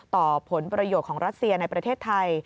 ผลประโยชน์ของรัสเซียในประเทศไทย